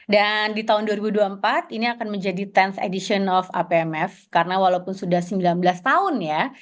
dan di tahun dua ribu dua puluh empat ini akan menjadi sepuluh th edition of apmf karena walaupun sudah sembilan belas tahun ya